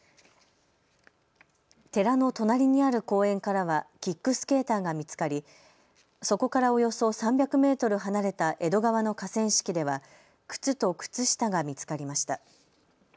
寺の隣にある公園からはキックスケーターが見つかり、そこからおよそ３００メートル離れた江戸川の河川敷では靴と靴下が見つかりました。